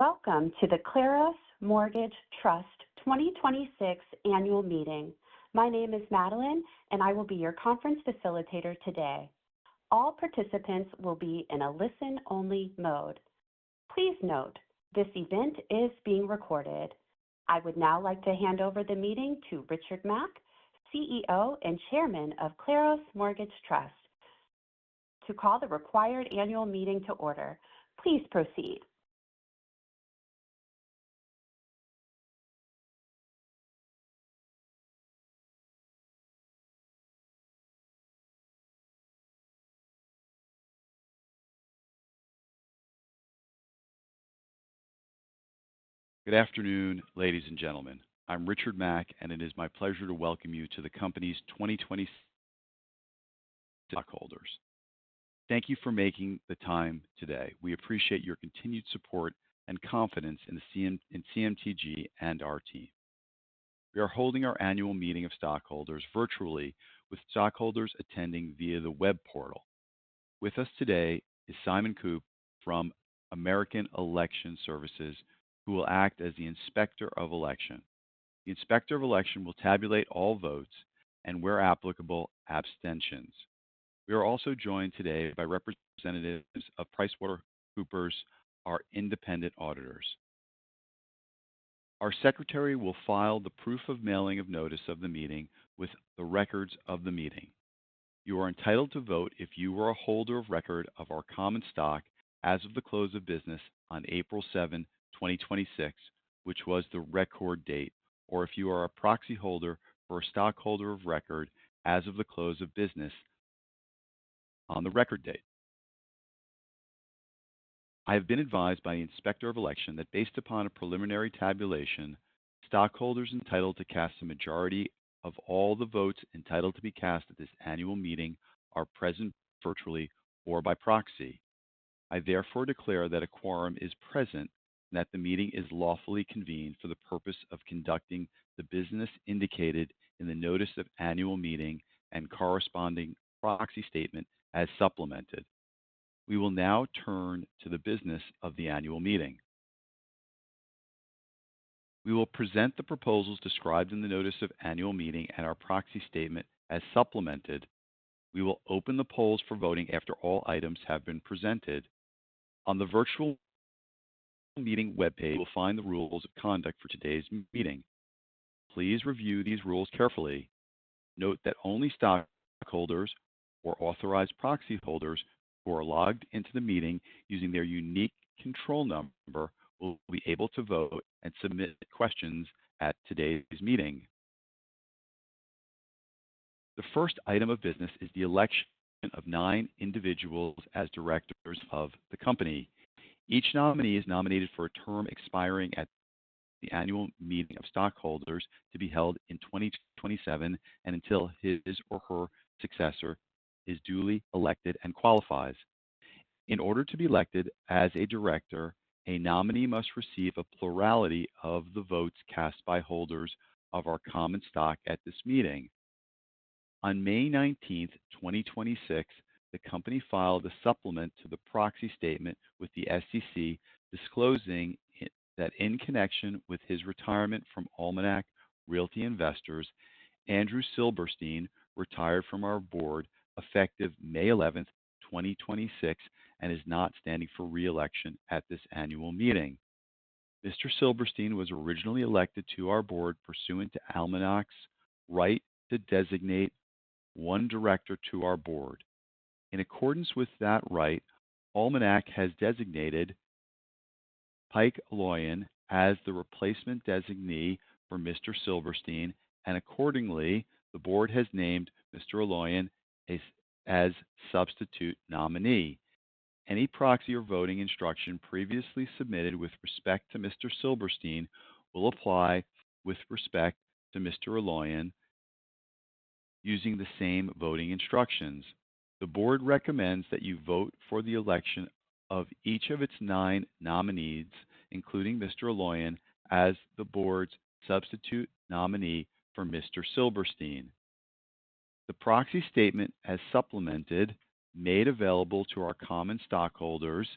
Welcome to the Claros Mortgage Trust 2026 Annual Meeting. My name is Madeline, and I will be your conference facilitator today. All participants will be in a listen-only mode. Please note, this event is being recorded. I would now like to hand over the meeting to Richard Mack, CEO and Chairman of Claros Mortgage Trust, to call the required annual meeting to order. Please proceed. Good afternoon, ladies and gentlemen. I'm Richard Mack. It is my pleasure to welcome you to the company's 2020 stockholders. Thank you for making the time today. We appreciate your continued support and confidence in CMTG and our team. We are holding our annual meeting of stockholders virtually with stockholders attending via the web portal. With us today is Simon Coop from American Election Services, who will act as the inspector of election. The inspector of election will tabulate all votes and, where applicable, abstentions. We are also joined today by representatives of PricewaterhouseCoopers, our independent auditors. Our secretary will file the proof of mailing of notice of the meeting with the records of the meeting. You are entitled to vote if you are a holder of record of our common stock as of the close of business on April 7, 2026, which was the record date, or if you are a proxy holder for a stockholder of record as of the close of business on the record date. I have been advised by the inspector of election that based upon a preliminary tabulation, stockholders entitled to cast the majority of all the votes entitled to be cast at this annual meeting are present virtually or by proxy. I therefore declare that a quorum is present and that the meeting is lawfully convened for the purpose of conducting the business indicated in the notice of annual meeting and corresponding proxy statement as supplemented. We will now turn to the business of the annual meeting. We will present the proposals described in the notice of annual meeting and our proxy statement as supplemented. We will open the polls for voting after all items have been presented. On the virtual meeting webpage, you will find the rules of conduct for today's meeting. Please review these rules carefully. Note that only stockholders or authorized proxy holders who are logged into the meeting using their unique control number will be able to vote and submit questions at today's meeting. The first item of business is the election of nine individuals as directors of the company. Each nominee is nominated for a term expiring at the annual meeting of stockholders to be held in 2027 and until his or her successor is duly elected and qualifies. In order to be elected as a director, a nominee must receive a plurality of the votes cast by holders of our common stock at this meeting. On May 19th, 2026, the company filed a supplement to the proxy statement with the SEC disclosing that in connection with his retirement from Almanac Realty Investors, Andrew Silberstein retired from our board effective May 11th, 2026, and is not standing for re-election at this annual meeting. Mr. Silberstein was originally elected to our board pursuant to Almanac's right to designate one director to our board. In accordance with that right, Almanac has designated Pike Aloian as the replacement designee for Mr. Silberstein, and accordingly, the board has named Mr. Aloian as substitute nominee. Any proxy or voting instruction previously submitted with respect to Mr. Silberstein will apply with respect to Mr. Aloian using the same voting instructions. The board recommends that you vote for the election of each of its nine nominees, including Mr. Aloian as the board's substitute nominee for Mr. Silberstein. The proxy statement as supplemented, made available to our common stockholders,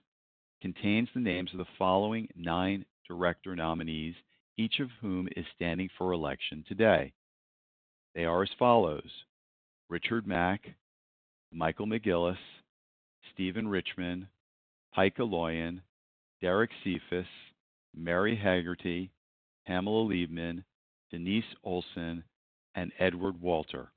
contains the names of the following nine director nominees, each of whom is standing for election today. They are as follows: Richard Mack, Michael McGillis, Steven Richman, Pike Aloian, Derrick Cephas, Mary Haggerty, Pamela Liebman, Denise Olsen, and Edward Walter.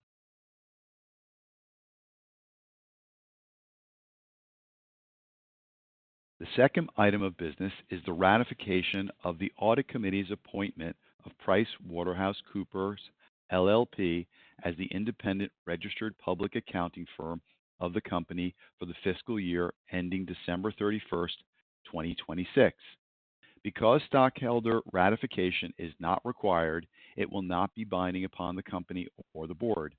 The second item of business is the ratification of the audit committee's appointment of PricewaterhouseCoopers LLP as the independent registered public accounting firm of the company for the fiscal year ending December 31st, 2026. Because stockholder ratification is not required, it will not be binding upon the company or the board.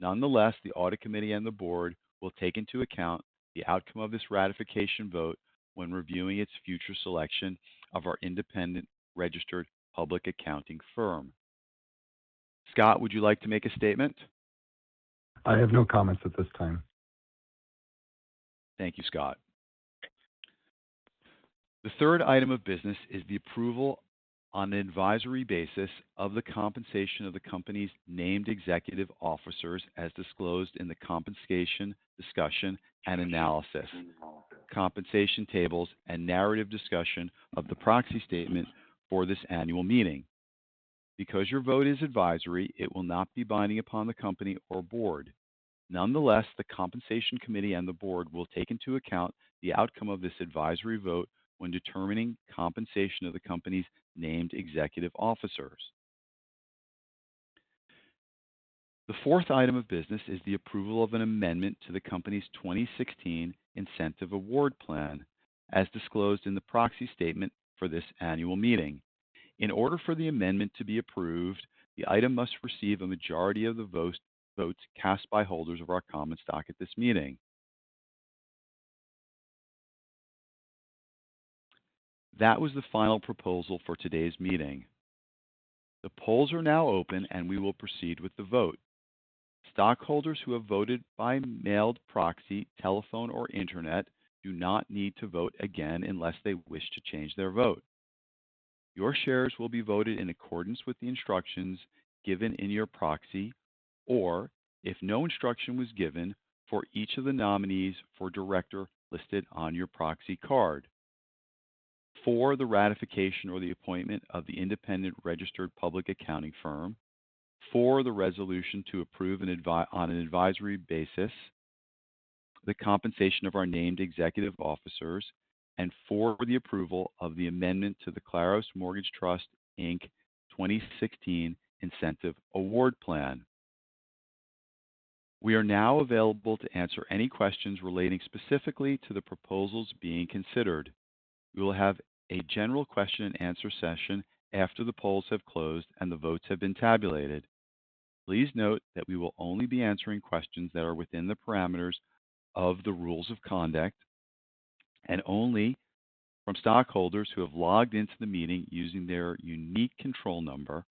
Nonetheless, the audit committee and the board will take into account the outcome of this ratification vote when reviewing its future selection of our independent registered public accounting firm. Scott, would you like to make a statement? I have no comments at this time. Thank you, Scott. The third item of business is the approval on an advisory basis of the compensation of the company's named executive officers as disclosed in the compensation discussion and analysis, compensation tables, and narrative discussion of the proxy statement for this annual meeting. Because your vote is advisory, it will not be binding upon the company or board. Nonetheless, the compensation committee and the board will take into account the outcome of this advisory vote when determining compensation of the company's named executive officers. The fourth item of business is the approval of an amendment to the company's 2016 Incentive Award Plan, as disclosed in the proxy statement for this annual meeting. In order for the amendment to be approved, the item must receive a majority of the votes cast by holders of our common stock at this meeting. That was the final proposal for today's meeting. The polls are now open, and we will proceed with the vote. Stockholders who have voted by mailed proxy, telephone, or internet do not need to vote again unless they wish to change their vote. Your shares will be voted in accordance with the instructions given in your proxy, or if no instruction was given for each of the nominees for director listed on your proxy card for the ratification or the appointment of the independent registered public accounting firm, for the resolution to approve on an advisory basis the compensation of our named executive officers, and for the approval of the amendment to the Claros Mortgage Trust, Inc. 2016 Incentive Award Plan. We are now available to answer any questions relating specifically to the proposals being considered. We will have a general question and answer session after the polls have closed and the votes have been tabulated. Please note that we will only be answering questions that are within the parameters of the rules of conduct. Only from stockholders who have logged into the meeting using their unique control number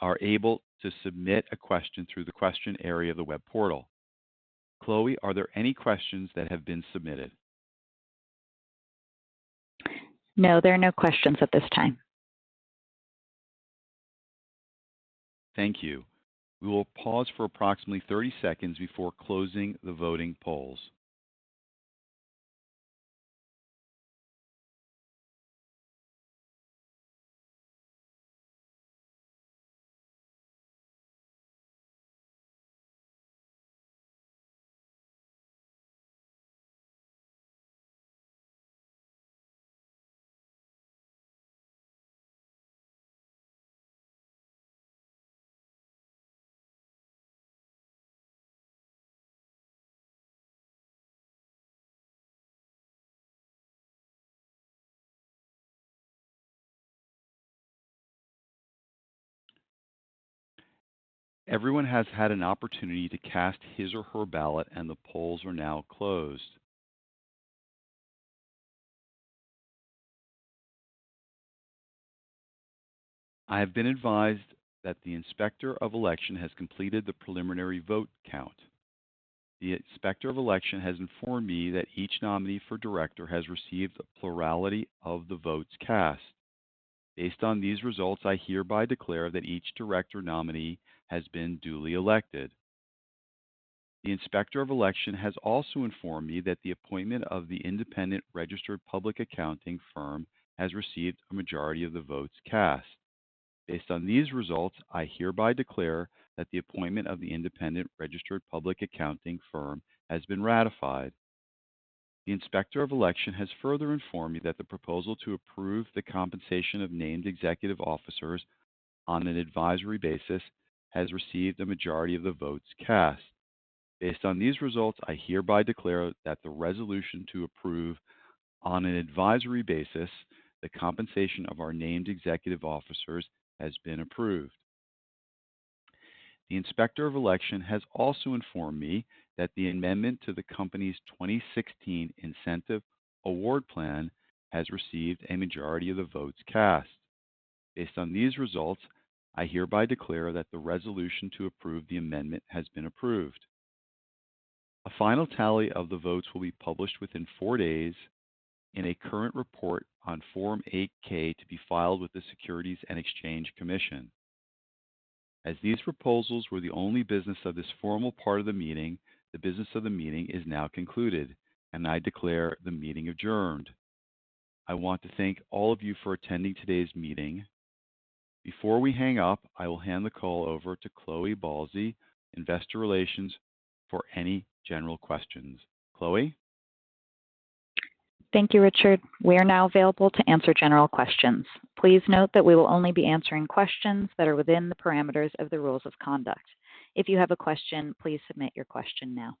are able to submit a question through the question area of the web portal. Chloe, are there any questions that have been submitted? No, there are no questions at this time. Thank you. We will pause for approximately 30 seconds before closing the voting polls. Everyone has had an opportunity to cast his or her ballot, and the polls are now closed. I have been advised that the Inspector of Election has completed the preliminary vote count. The Inspector of Election has informed me that each nominee for director has received a plurality of the votes cast. Based on these results, I hereby declare that each director nominee has been duly elected. The Inspector of Election has also informed me that the appointment of the independent registered public accounting firm has received a majority of the votes cast. Based on these results, I hereby declare that the appointment of the independent registered public accounting firm has been ratified. The Inspector of Election has further informed me that the proposal to approve the compensation of named executive officers on an advisory basis has received a majority of the votes cast. Based on these results, I hereby declare that the resolution to approve on an advisory basis the compensation of our named executive officers has been approved. The Inspector of Election has also informed me that the amendment to the company's 2016 Incentive Award Plan has received a majority of the votes cast. Based on these results, I hereby declare that the resolution to approve the amendment has been approved. A final tally of the votes will be published within four days in a current report on Form 8-K to be filed with the Securities and Exchange Commission. As these proposals were the only business of this formal part of the meeting, the business of the meeting is now concluded, and I declare the meeting adjourned. I want to thank all of you for attending today's meeting. Before we hang up, I will hand the call over to Chloe Balsley, investor relations, for any general questions. Chloe? Thank you, Richard. We are now available to answer general questions. Please note that we will only be answering questions that are within the parameters of the rules of conduct. If you have a question, please submit your question now.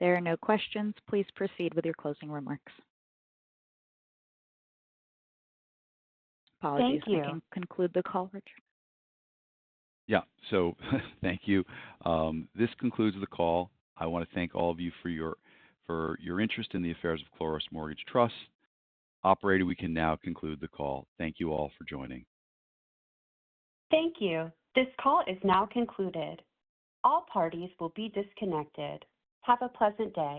There are no questions. Please proceed with your closing remarks. Apologies. Thank you. You can conclude the call, Richard. Yeah. Thank you. This concludes the call. I want to thank all of you for your interest in the affairs of Claros Mortgage Trust. Operator, we can now conclude the call. Thank you all for joining. Thank you. This call is now concluded. All parties will be disconnected. Have a pleasant day.